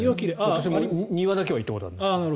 私も庭だけは行ったことがあるんですが。